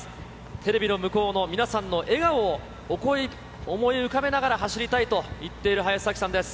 テレビの向こうの皆さんの笑顔を思い浮かべながら走りたいと言っいい走りです。